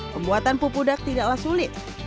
pembuatan pupuda tidaklah sulit